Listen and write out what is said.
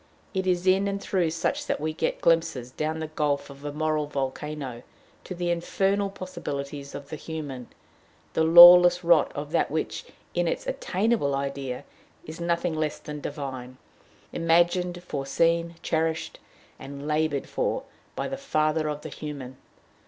It is in and through such that we get glimpses, down the gulf of a moral volcano, to the infernal possibilities of the human the lawless rot of that which, in its attainable idea, is nothing less than divine, imagined, foreseen, cherished, and labored for, by the Father of the human.